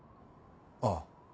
ああ。